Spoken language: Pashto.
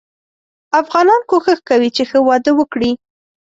افغانان کوښښ کوي چې ښه واده وګړي.